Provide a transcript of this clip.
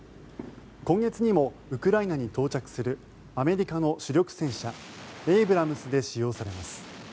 今月にもウクライナに到着するアメリカの主力戦車エイブラムスで使用されます。